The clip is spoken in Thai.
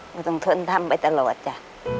ก็ต้องทนทำไปตลอดจ้ะ